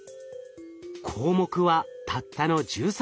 項目はたったの１３個。